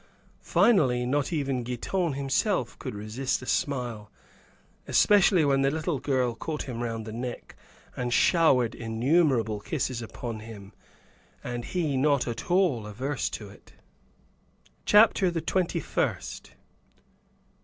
Finally not even Giton himself could resist a smile, especially when the little girl caught him around the neck and showered innumerable kisses upon him, and he not at all averse to it. CHAPTER THE TWENTY FIRST.